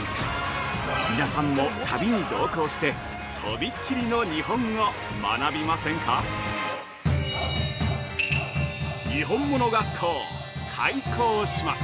皆さんも旅に同行して飛びっ切りの日本を学びませんか？にほんもの学校、開校します。